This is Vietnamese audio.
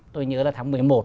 tôi nhớ là tháng một mươi một